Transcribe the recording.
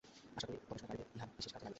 আশা করি গবেষণাকারীদের ইহা বিশেষ কাজে লাগিবে।